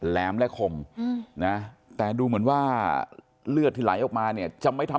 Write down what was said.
แหมและคมนะแต่ดูเหมือนว่าเลือดที่ไหลออกมาเนี่ยจะไม่ทำ